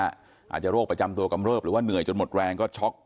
อาจจะโรคประจำตัวกำเริบหรือว่าเหนื่อยจนหมดแรงก็ช็อก